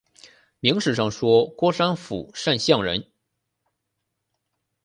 明史上说郭山甫善相人。